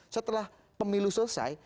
setelah pemilu selesai